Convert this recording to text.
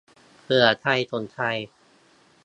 เผื่อใครสนใจ